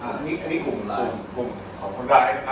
อันนี้อันนี้กลุ่มหรือกลุ่มของคนร้ายนะคะ